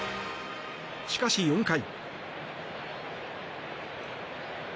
しかし、４回。